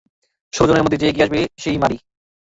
ষোল জনের মধ্যে, যে এগিয়ে আসবে সেই মারি।